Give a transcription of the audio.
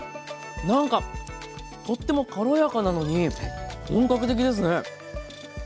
なんかとっても軽やかなのに本格的ですね。